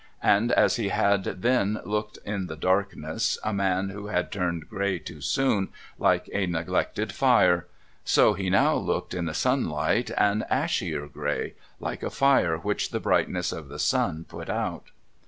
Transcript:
And as he had then looked in the darkness, a man who had turned grey too soon, like a neglected fire : so he now looked in the sunlight, an ashier grey, like a fire which the brightness of the sun put out.